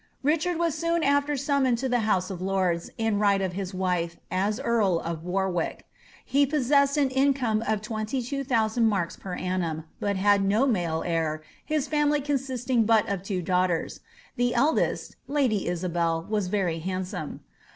Richard was soon after summoned to the house of lords, in right of his wife, as earl of Warwick. He possessed an in come of 22,000 marks per annum, but had no male heir, his fiunily con sisting but of two daughters ; the eldest, lady Isabel,' was very hand some.